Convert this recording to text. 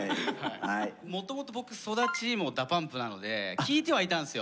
もともと僕育ちもＤＡＰＵＭＰなので聴いてはいたんですよ。